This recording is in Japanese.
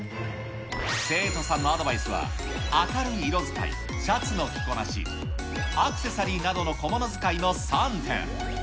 生徒さんのアドバイスは、明るい色使い、シャツの着こなし、アクセサリーなどの小物使いの３点。